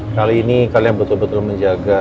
kali ini kalian betul betul menjaga